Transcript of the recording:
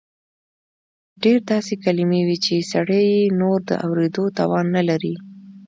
ډېر داسې کلیمې وې چې سړی یې نور د اورېدو توان نه لري.